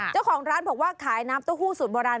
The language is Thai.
เจ้าของร้านบอกว่าขายน้ำเต้าหู้สูตรโบราณ